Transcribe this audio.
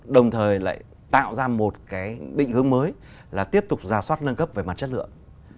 đồng thời lại tạo ra một cái định hướng mới là tiếp tục giả soát nâng cấp về mặt chất lượng